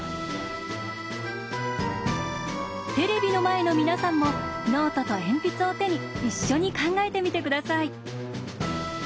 テレビの前の皆さんもノートと鉛筆を手に一緒に考えてみてください。